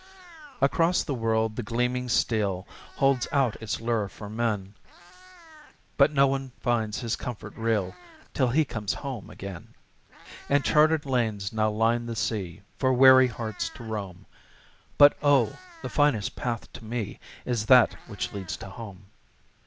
Across the world the gleaming steel Holds out its lure for men, But no one finds his comfort real Till he comes home again. And charted lanes now line the sea For weary hearts to roam, But, Oh, the finest path to me Is that which leads to home.